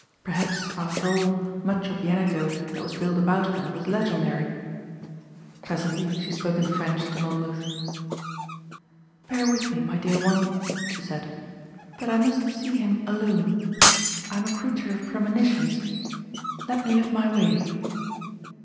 Perhaps, after all, much of the anecdote that was built about her was legendary. Presently she spoke in French to Monmouth. "Bear with me, my dear one," she said, "but I must see him alone. I am a creature of premonitions. Let me have my way."